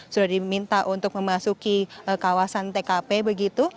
sudah diminta untuk memasuki kawasan tkp begitu